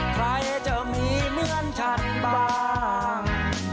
ใครจะมีเหมือนฉันบ้าง